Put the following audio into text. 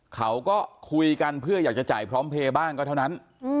เขาก็คุยกันเพื่ออยากจะจ่ายพร้อมเพลย์บ้างก็เท่านั้น